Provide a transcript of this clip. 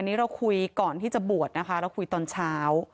นี่เราคุยก่อนที่จะบวชนะคะเราคุยตอนเช้า